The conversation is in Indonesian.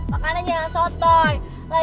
makanannya jangan sotoy